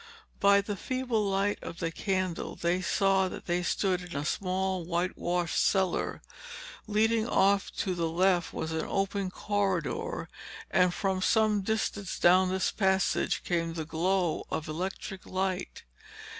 By the feeble light of the candle they saw that they stood in a small whitewashed cellar. Leading off this to the left, was an open corridor, and from some distance down this passage came the glow of electric light.